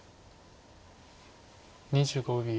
２５秒。